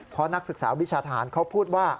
เพราะนักศึกษาวิชาทหารเขาพูดว่า